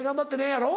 やろ？